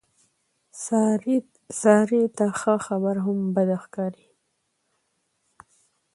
سارې ته ښه خبره هم بده ښکاري.